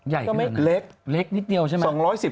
ใหญ่ขึ้นนะเล็กเล็กนิดเดียวใช่ไหม